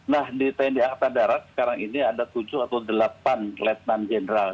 nah di tni angkatan darat sekarang ini ada tujuh atau delapan letnan jenderal